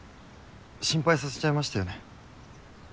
心配させちゃいましたよね。